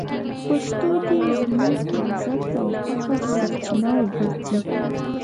پښتو دې زموږ د عزت او فخر سرچینه وګرځي.